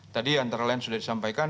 tadi antara lain sudah disampaikan